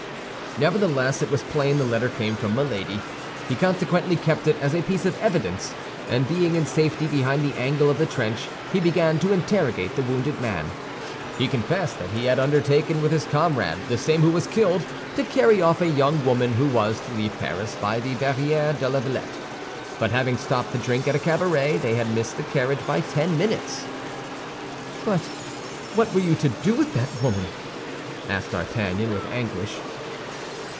Nevertheless it was plain the letter came from Milady. He consequently kept it as a piece of evidence, and being in safety behind the angle of the trench, he began to interrogate the wounded man. He confessed that he had undertaken with his comrade—the same who was killed—to carry off a young woman who was to leave Paris by the Barrière de La Villette; but having stopped to drink at a cabaret, they had missed the carriage by ten minutes. "But what were you to do with that woman?" asked D'Artagnan, with anguish.